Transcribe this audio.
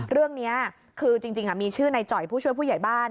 เรื่องนี้คือจริงมีชื่อในจ่อยผู้ช่วยผู้ใหญ่บ้าน